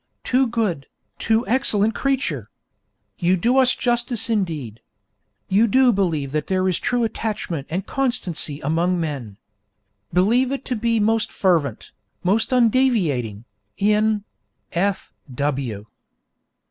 Too good, too excellent creature! You do us justice indeed. You do believe that there is true attachment and constancy among men. Believe it to be most fervent, most undeviating, in 'F. W.'